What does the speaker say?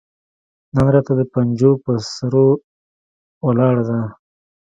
نن راته د پنجو پهٔ سرو ولاړه ده